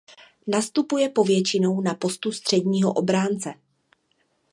Nastupuje povětšinou na postu středního obránce.